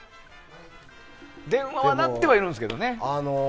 電話は鳴ってはいるんですけどね。